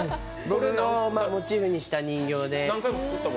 俺をモチーフにした人形で。